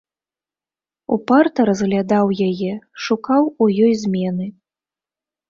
Упарта разглядаў яе, шукаў у ёй змены.